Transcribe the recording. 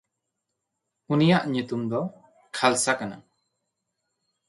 ᱩᱱᱤᱭᱟᱜ ᱧᱩᱛᱩᱢ ᱫᱚ ᱠᱷᱟᱞᱥᱟ ᱠᱟᱱᱟ᱾